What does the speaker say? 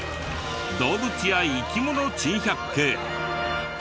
動物や生き物珍百景。